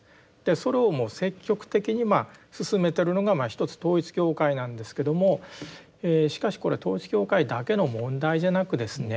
それをもう積極的に進めてるのが一つ統一教会なんですけどもしかしこれ統一教会だけの問題じゃなくですね